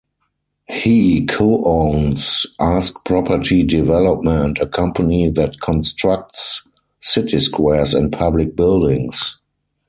He co-owns Ask Property Development, a company that constructs city squares and public buildings.